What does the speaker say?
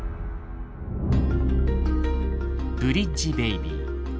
「ブリッジ・ベイビー」